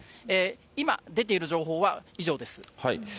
今、出ている情報は以上です。